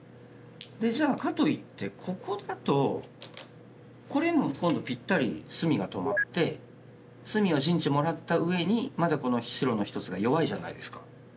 じゃあかといってここだとこれも今度ピッタリ隅が止まって隅は陣地もらったうえにまだ白の１つが弱いじゃないですか。